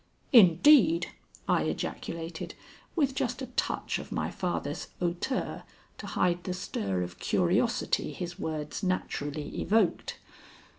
"Indeed!" I ejaculated, with just a touch of my father's hauteur to hide the stir of curiosity his words naturally evoked.